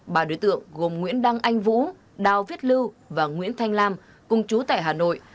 ba đối tượng gồm nguyễn đăng anh vũ đào viết lưu và nguyễn thanh lam công chú tại hà nội